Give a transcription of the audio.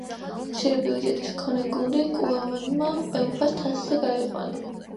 მცირე ბიუჯეტის მქონე გუნდი კუმანმა უეფა-ს თასზე გაიყვანა.